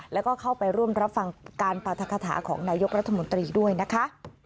แล้วก็เข้าไปร่วมรับฟังการปรัฐคาถาของนายกรัฐมนตรีด้วยนะคะ